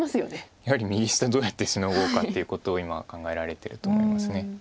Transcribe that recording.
やはり右下どうやってシノごうかっていうことを今考えられてると思います。